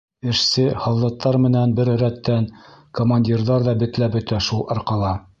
Эшсе-һалдаттар менән бер рәттән, командирҙар ҙа бетләп бөтә шул арҡала.